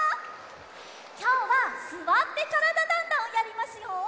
きょうは「すわってからだ☆ダンダン」をやりますよ！